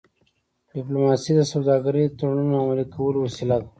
ډيپلوماسي د سوداګری د تړونونو عملي کولو وسیله ده.